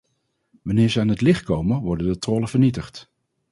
Wanneer ze aan het licht komen worden de trollen vernietigd.